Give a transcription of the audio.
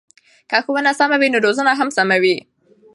که ښوونه سمه وي نو روزنه هم سمه وي.